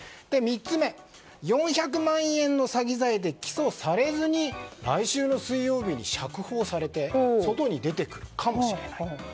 ３つ目、４００万円の詐欺罪で起訴されずに来週の水曜日に釈放されて外に出てくるかもしれない。